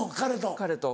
彼と。